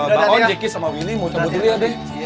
bangun jacky sama willy mau coba dulu ya be